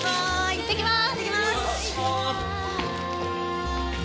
行ってきます！